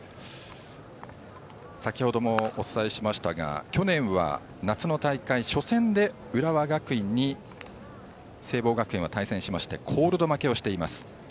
先ほどもお伝えしましたが去年は夏の大会初戦で浦和学院と聖望学園は対戦しましてコールド負けをしています。